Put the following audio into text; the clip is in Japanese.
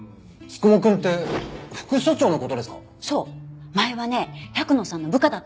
前はね百野さんの部下だったのよ。